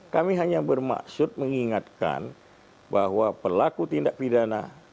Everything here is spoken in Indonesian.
kami hanya bermaksud mengingatkan bahwa pelaku tindak pidana